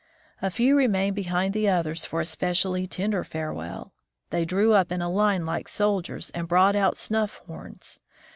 A few remained behind the others for a specially tender farewell. They drew up in a line like soldiers, and brought out snuff horns.